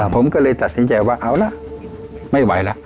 ผมก็เลยตัดสินใจว่าเอาละไม่ไหวแล้ว